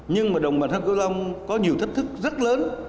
nhưng mà đồng bằng sông cửu long có nhiều thách thức rất lớn